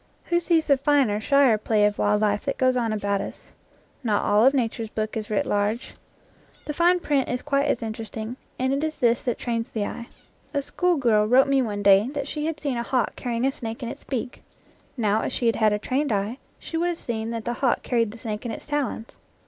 Who sees the finer, shyer play of wild life that goes on about us? Not all of nature's book is writ large; the fine 93 IN FIELD AND WOOD print is quite as interesting, and it is this that trains the eye. A schoolgirl wrote me one day that she had seen a hawk carrying a snake in its beak. Now, if she had had a trained eye, she would have seen that the hawk carried the snake in its talons.